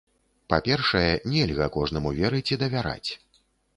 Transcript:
Па-першае, нельга кожнаму верыць і давяраць.